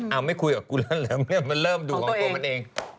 เอาไม่คุยกับกูแล้วมันเริ่มดูของตัวมันเอง